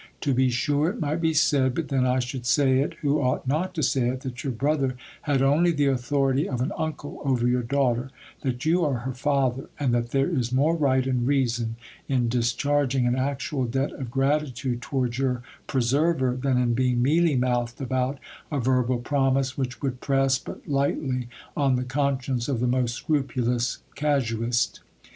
To be sure, it might be said, but then I should say it who ought not to say it, that your brother had only the au thority of an uncle over your daughter, that you are her father, and that there is more right and reason in discharging an actual debt of gratitude towards your preserver, than in being mealy mouthed about a verbal promise which would press but lightly on the conscience of the most scrupulous casuist.